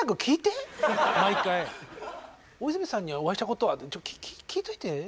「大泉さんにお会いしたことは？」って聞いといて。